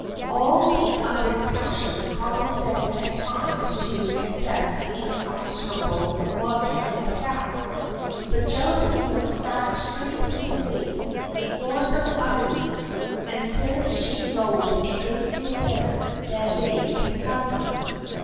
All the other passions condescend at times to accept the inexorable logic of facts. But jealousy looks facts straight in the face, ignores them utterly, and says she knows a great deal better than they can tell her.